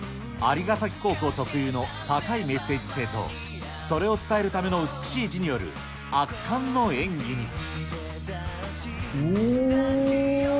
蟻ヶ崎高校特有の高いメッセージ性と、それを伝えるための美しい字による圧巻の演技に。